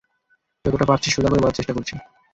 যতটা পারছি সোজা করে বলার চেষ্টা করছি।